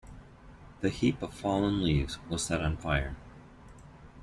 The heap of fallen leaves was set on fire.